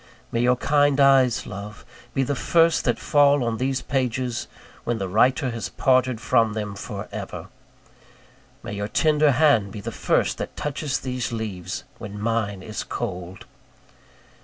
May your kind eyes, love, be the first that fall on these pages, when the writer has parted from them for ever! May your tender hand be the first that touches these leaves, when mine is cold!